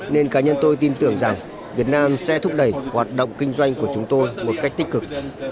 nên cá nhân tôi tin tưởng rằng việt nam sẽ thúc đẩy hoạt động kinh doanh của chúng tôi một cách tích cực